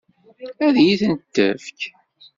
Ad iyi-tent-tefk?